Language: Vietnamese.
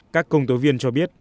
các công tố viên cho biết